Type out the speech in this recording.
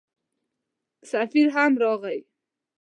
سفیر هم راغی.